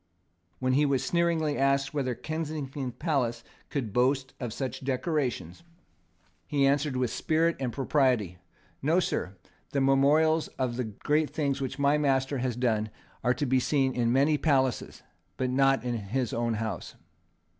When he was sneeringly asked whether Kensington Palace could boast of such decorations, he answered, with spirit and propriety: "No, Sir. The memorials of the great things which my master has done are to be seen in many places; but not in his own house."